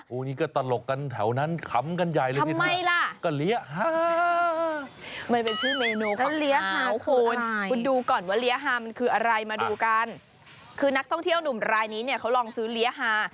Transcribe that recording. อู้นี่ก็ตลกกันแถวนั้นคำกันใหญ่เลยทีนี้